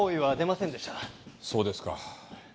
そうですか。